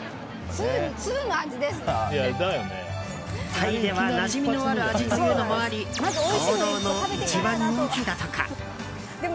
タイではなじみのある味というのもあり堂々の一番人気だとか。